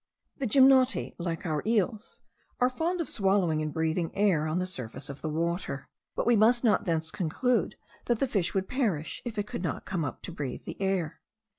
The gymnoti, like our eels, are fond of swallowing and breathing air on the surface of the water; but we must not thence conclude that the fish would perish if it could not come up to breathe the air.